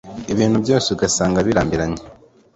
ibintu byose ugasanga birambiranye